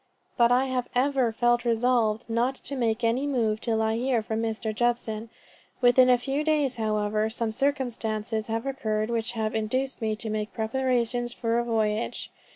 But I have ever felt resolved not to make any movement till I hear from Mr. Judson. Within a few days, however, some circumstances have occurred which have induced me to make preparations for a voyage.